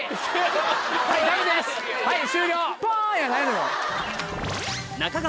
はい終了。